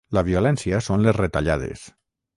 La violència són les retallades